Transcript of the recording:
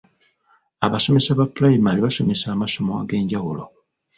Abasomesa ba pulayimale basomesa amasomo ag'enjawulo.